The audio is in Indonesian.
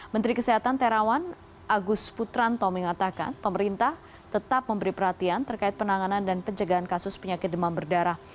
menteri kesehatan terawan agus putranto mengatakan pemerintah tetap memberi perhatian terkait penanganan dan pencegahan kasus penyakit demam berdarah